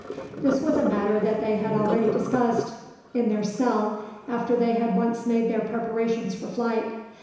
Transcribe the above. This was a matter that they had already discussed, in their cell, after they had once made their preparations for flight.